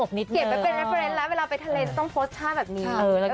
เกียรติแล้วต้องต้องโพสต์ต้าแบบนี้